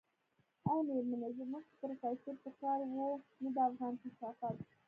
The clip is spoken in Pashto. ای مېرمنې زموږ خو پروفيسر په کار و نه دا افغان کثافت.